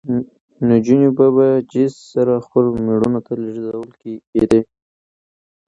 نجونې به په جېز سره خپلو مېړونو ته لېږل کېدې.